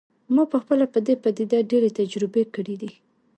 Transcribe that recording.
ما پخپله په دې پدیده ډیرې تجربې کړي دي